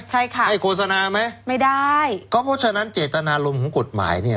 ใช่ค่ะให้โฆษณาไหมไม่ได้ก็เพราะฉะนั้นเจตนารมณ์ของกฎหมายเนี่ย